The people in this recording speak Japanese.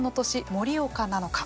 盛岡なのか。